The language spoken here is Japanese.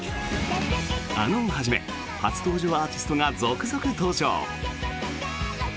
ａｎｏをはじめ初登場アーティストが続々登場。